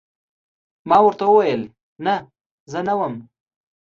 ما ورته وویل: نه، زه نه وم.